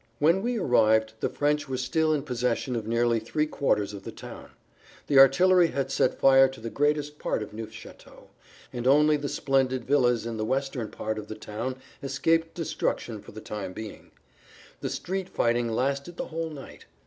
When we arrived the French were still in possession of nearly three quarters of the town. The artillery had set fire to the greatest part of Neufchateau, and only the splendid villas in the western part of the town escaped destruction for the time being. The street fighting lasted the whole night.